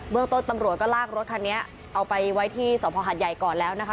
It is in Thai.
เมืองต้นตำรวจก็ลากรถคันนี้เอาไปไว้ที่สภหัดใหญ่ก่อนแล้วนะคะ